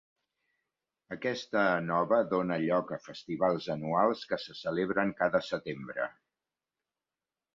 Aquesta nova dóna lloc a festivals anuals que se celebren cada setembre.